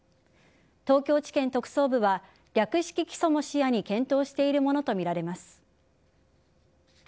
東京地検特捜部は略式起訴も視野に検討しているものとみられます。